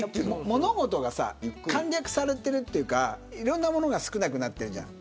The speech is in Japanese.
物事が簡略されているというかいろんなものが少なくなってるじゃん。